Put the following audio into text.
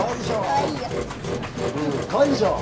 かわいいでしょ？